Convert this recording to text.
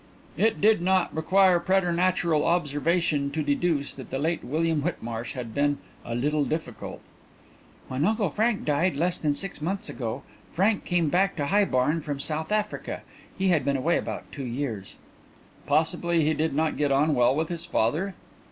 It did not require preternatural observation to deduce that the late William Whitmarsh had been "a little difficult." "When Uncle Frank died, less than six months ago, Frank came back to High Barn from South Africa. He had been away about two years." "Possibly he did not get on well with his father?"